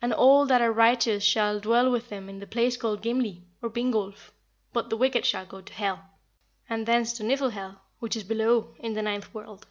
And all that are righteous shall dwell with him in the place called Gimli, or Vingolf; but the wicked shall go to Hel, and thence to Niflhel, which is below, in the ninth world."